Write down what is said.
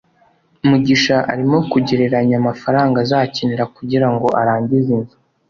mugisha arimo kugereranya amafaranga azakenera kugirango arangize inzu